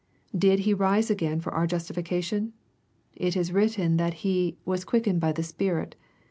Did He rise again for our justification ? It is written that He " was quickened by the Spirit."